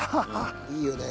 いいよね。